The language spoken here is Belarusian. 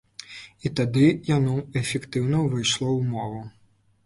І тады яно эфектыўна ўвайшло ў мову.